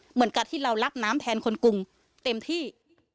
เหมือนกับที่เรารักน้ำแทนคนกรุงเต็มที่